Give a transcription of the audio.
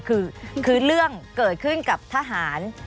คือเรื่องเกิดขึ้นกับทหาร